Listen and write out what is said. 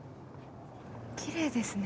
きれいですね。